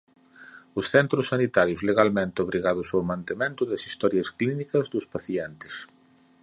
Os centros sanitarios legalmente obrigados ao mantemento das historias clínicas dos pacientes.